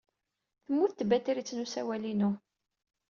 Temmut tbatrit n usawal-inu.